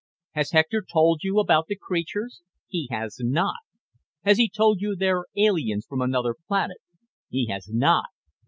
Has Hector told you about the creatures? He has not. Has he told you they're aliens from another planet? He has not.